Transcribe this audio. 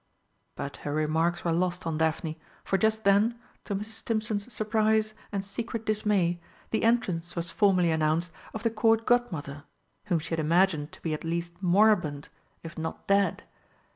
But her remarks were lost on Daphne, for just then, to Mrs. Stimpson's surprise and secret dismay, the entrance was formally announced of the Court Godmother, whom she had imagined to be at least moribund, if not dead.